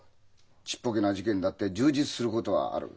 ちっぽけな事件だって充実することはある。